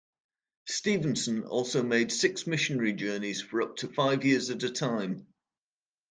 Stevenson also made six missionary journeys, for up to five years at a time.